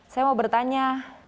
saya mau bertanya